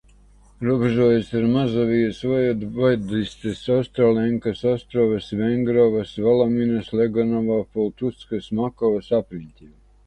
Robežojas ar Mazovijas vojevodistes Ostrolenkas, Ostrovas, Vengrovas, Volominas, Legonovo, Pultuskas un Makovas apriņķiem.